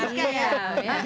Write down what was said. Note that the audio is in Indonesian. berasa di prank ya